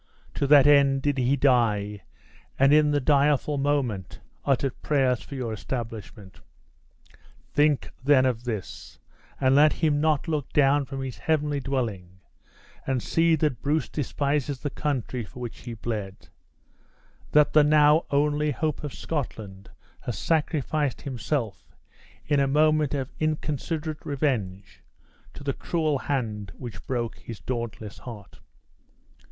To that end did he die, and in the direful moment, uttered prayers for your establishment. Think then of this, and let him not look down from his heavenly dwelling and see that Bruce despises the country for which he bled; that the now only hope of Scotland has sacrificed himself in a moment of inconsiderate revenge to the cruel hand which broke his dauntless heart!"